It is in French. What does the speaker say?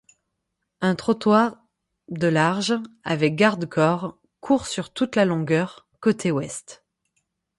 Un trottoir d' de large, avec garde-corps, court sur toute la longueur, côté ouest.